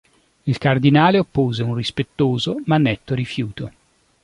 Il cardinale oppose un rispettoso ma netto rifiuto.